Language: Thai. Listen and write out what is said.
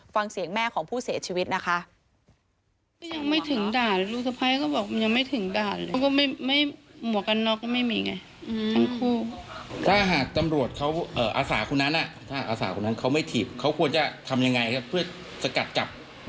ฟังเสียงแม่ของผู้เสียชีวิตนะคะ